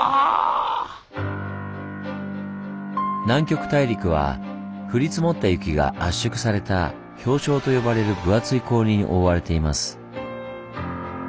南極大陸は降り積もった雪が圧縮された「氷床」と呼ばれる分厚い氷に覆われています。